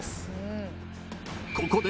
［ここで］